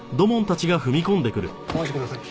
お待ちください。